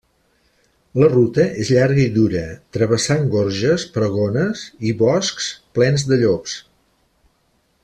La ruta és llarga i dura, travessant gorges pregones i boscs plens de llops.